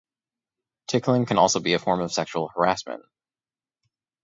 Tickling can also be a form of sexual harassment.